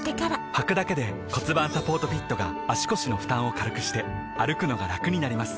はくだけで骨盤サポートフィットが腰の負担を軽くして歩くのがラクになります